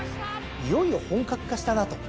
いよいよ本格化したなと。